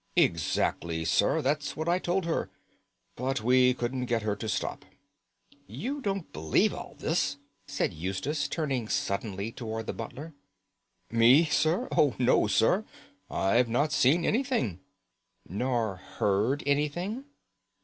"Exactly, sir; that's what I told her; but we couldn't get her to stop." "You don't believe all this?" said Eustace, turning suddenly towards the butler. "Me, sir? Oh, no, sir! I've not seen anything." "Nor heard anything?"